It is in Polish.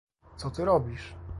"co ty robisz?"